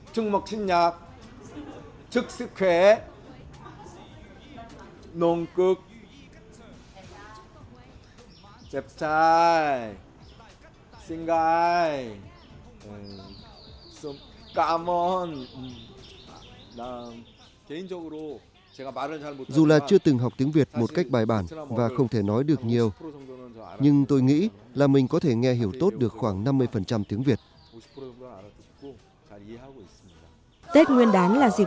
chúc một năm mới chúc một sinh nhật chúc sức khỏe nôn cước chép trai